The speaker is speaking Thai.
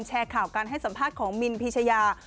แชร์ข่าวการให้สัมภาษณ์ของมินพีชยา